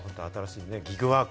ギブワーク。